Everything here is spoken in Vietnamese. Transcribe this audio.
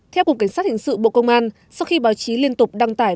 theo cục cảnh sát hình sự bộ công an sau khi báo chí liên tục đăng tải